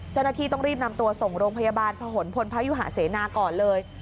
เจ้าหน้าที่ต้องรีบนำตัวส่งโรงพยาบาลพะหนพลพยุหาเสนาก่อนเลย